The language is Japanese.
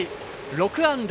６安打。